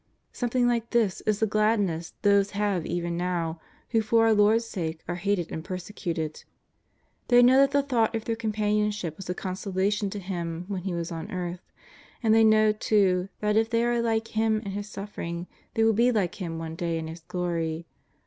Something like this is the gladness those have even now who for our Lord's sake are hated and persecuted. They know that the thought of their companionship was a consolation to Ilim when He was on earth, and they know, too, that if they are like Hira in His suffering they will be like Him one day in His glory.